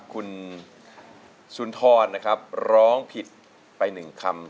คุณสุนทรนะครับร้องผิดไป๑คำ